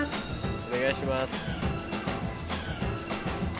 お願いします。